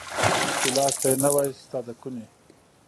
چي لاستى يې نه واى ستا د کوني.